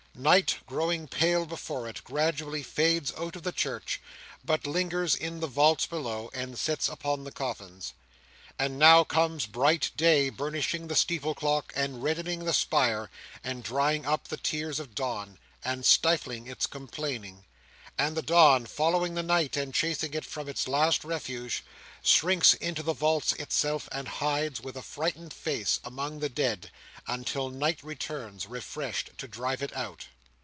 Night, growing pale before it, gradually fades out of the church, but lingers in the vaults below, and sits upon the coffins. And now comes bright day, burnishing the steeple clock, and reddening the spire, and drying up the tears of dawn, and stifling its complaining; and the dawn, following the night, and chasing it from its last refuge, shrinks into the vaults itself and hides, with a frightened face, among the dead, until night returns, refreshed, to drive it out.